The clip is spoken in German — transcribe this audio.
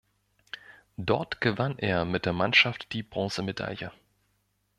Dort gewann er mit der Mannschaft die Bronzemedaille.